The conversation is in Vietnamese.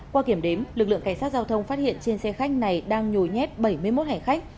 qua kiểm đếm lực lượng cảnh sát giao thông phát hiện trên xe khách này đang nhồi nhét bảy mươi một hành khách